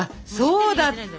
そうだった。